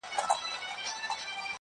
• ځوان يوه غټه ساه ورکش کړه.